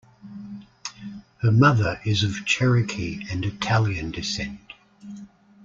Her mother is of Cherokee and Italian descent.